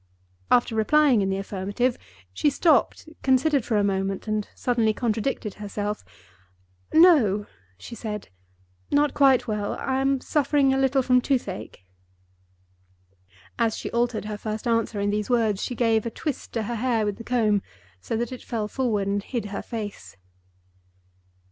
After replying in the affirmative, she stopped, considered for a moment, and suddenly contradicted herself. "No," she said, "not quite well. I am suffering a little from toothache." As she altered her first answer in those words she gave a twist to her hair with the comb, so that it fell forward and hid her face.